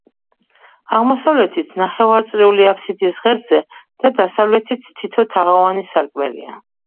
აღმოსავლეთით, ნახევარწრიული აფსიდის ღერძზე და დასავლეთით თითო თაღოვანი სარკმელია.